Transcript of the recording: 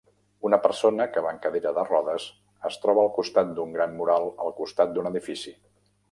Una persona que va en cadira de rodes es troba al costat d'un gran mural al costat d'un edifici.